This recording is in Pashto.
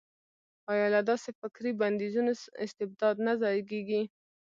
ایا له داسې فکري بندیزونو استبداد نه زېږي.